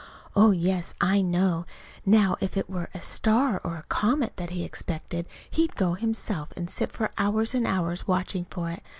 "Oh, yes, I know! Now if it were a star or a comet that he expected, he'd go himself and sit for hours and hours watching for it.